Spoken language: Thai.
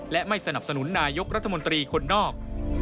และไม่สนับสนุนนายกรัฐมนตรีคนนอก